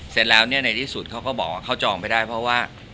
เสร็จแล้วเนี่ยในที่สุดเขาก็บอกว่าเขาจองไม่ได้เพราะว่า